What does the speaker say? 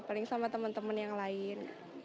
paling sama teman teman yang lain